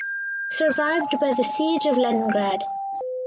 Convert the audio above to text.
Survived by Siege of Leningrad.